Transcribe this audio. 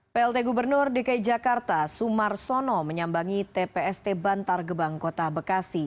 plt gubernur dki jakarta sumarsono menyambangi tpst bantar gebang kota bekasi